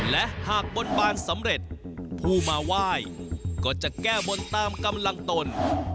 และหากบนบานสำเร็จผู้มาไหว้ก็จะแก้บนตามกำลังตน